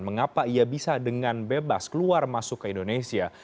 mengapa ia bisa dengan bebas keluar masuk ke indonesia